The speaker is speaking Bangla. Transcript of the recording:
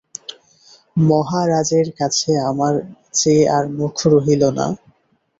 মহারাজের কাছে আমার যে আর মুখ রহিল না।